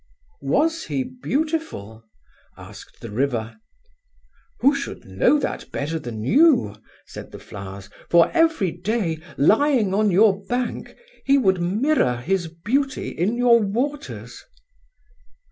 "'Was he beautiful?' asked the River. "'Who should know that better than you?' said the flowers, 'for every day, lying on your bank, he would mirror his beauty in your waters.'"